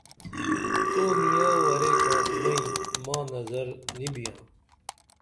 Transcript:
تو نِیہ ورے کاس بئیں ماں نظر نی بیاں